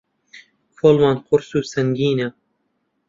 کۆڵمان قورس و سەنگینە